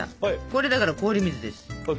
これだから氷水です。